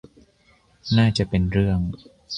น่าจะเป็นเรื่อง